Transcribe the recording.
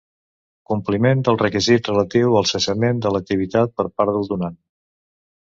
Compliment del requisit relatiu al cessament de l'activitat per part del donant.